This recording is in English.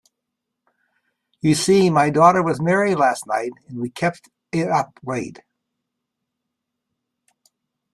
Ye see, my daughter was merry last night, and we kept it up late.